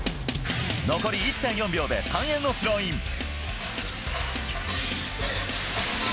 残り１．４秒で三遠のスローイン。